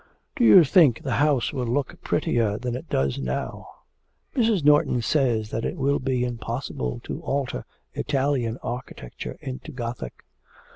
'Do you think the house will look prettier than it does now? Mrs. Norton says that it will be impossible to alter Italian architecture into Gothic.'